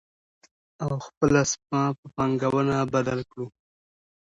او خپله سپما په پانګونه بدله کړو.